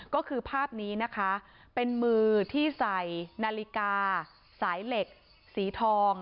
ก็คือภาพนี้นะคะเป็นมือที่ใส่นาฬิกาสายเหล็กสีทอง